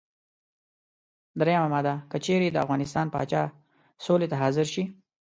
دریمه ماده: که چېرې د افغانستان پاچا سولې ته حاضر شي.